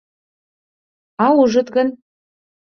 А ужыт гын?